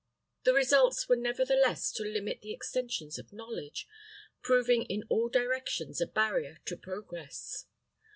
The results were nevertheless to limit the extensions of knowledge, proving in all directions a barrier to progress.